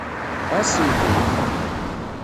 Ɛassem-tent.